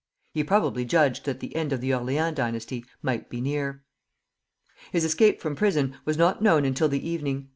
He probably judged that the end of the Orleans dynasty might be near. His escape from prison was not known until the evening.